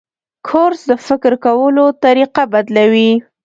کورس د فکر کولو طریقه بدلوي.